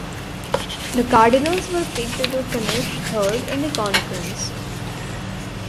The Cardinals were picked to finish third in the conference.